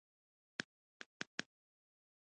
د سترګو درمل د نظر د ښه والي لپاره کارېږي.